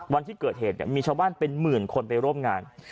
วันที่เกิดเหตุมีชาวบ้านเป็นหมื่นคนไปร่วมงาน